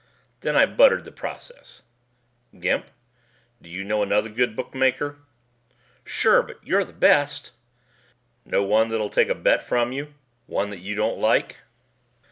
Then I buttered the process. "Gimp, do you know another good bookmaker?" "Sure. But you're the best." "Know one that'll take a bet from you one that you don't like?"